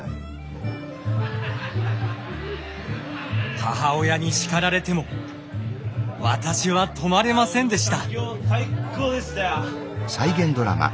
母親に叱られても私は止まれませんでした。